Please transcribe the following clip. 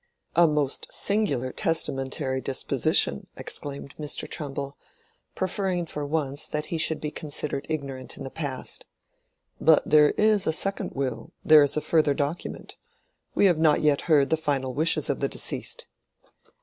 "A most singular testamentary disposition!" exclaimed Mr. Trumbull, preferring for once that he should be considered ignorant in the past. "But there is a second will—there is a further document. We have not yet heard the final wishes of the deceased."